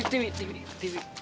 eh tiwi tiwi tiwi